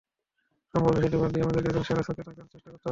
সম্ভবত সেটি বাদ দিয়ে আমাদের এখন সেরা ছয়ে থাকার চেষ্টা করতে হবে।